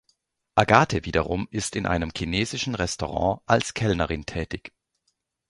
Agathe wiederum ist in einem chinesischen Restaurant als Kellnerin tätig.